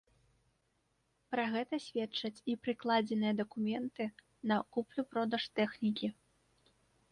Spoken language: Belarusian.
Пра гэта сведчаць і прыкладзеныя дакументы на куплю-продаж тэхнікі.